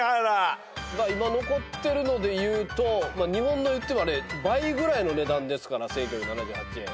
今残ってるのでいうと日本の倍ぐらいの値段ですから１，９７８円。